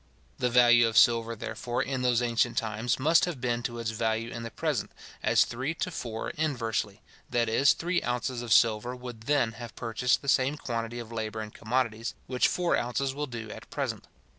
The value of silver, therefore, in those ancient times, must have been to its value in the present, as three to four inversely; that is, three ounces of silver would then have purchased the same quantity of labour and commodities which four ounces will do at present.